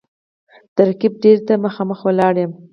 د رقیب دېرې ته مـــخامخ ولاړ یـــــم